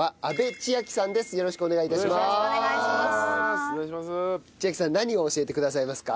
千晶さん何を教えてくださいますか？